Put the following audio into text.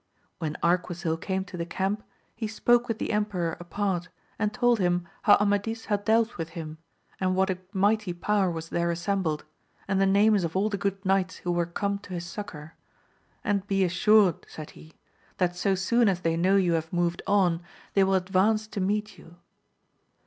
When Ar quisil came to the camp, he spoke with the emperor apart, and told him how Amadis had dealt with him and what a mighty power was there assembled, and the names of all the good knights who were come to . his succour ; And be assured said he, that so soon as VOL. m. 11 162 AMADIS OF OAUL: they know you have moved on, they will advance to meet you.